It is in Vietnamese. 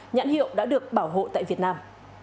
nhãn hiệu đã được bảo hộ tại việt nam